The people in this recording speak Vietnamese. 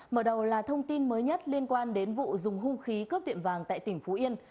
mở đầu là thông tin mới nhất liên quan đến vụ dùng hung khí cướp tiệm vàng tại tỉnh phú yên